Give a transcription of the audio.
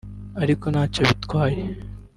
ariko ntacyo byantwaye